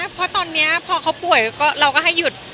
เพราะตอนนี้พอเขาป่วยเราก็ให้หยุด